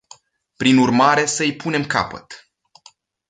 Prin urmare, să îi punem capăt.